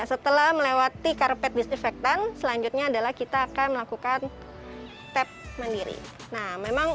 setelah melewati karpet disinfektan selanjutnya adalah kita akan melakukan tap mandiri nah memang